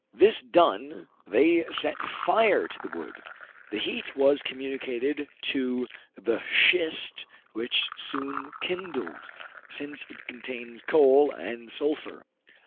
This done, they set fire to the wood, the heat was communicated to the shist, which soon kindled, since it contains coal and sulphur.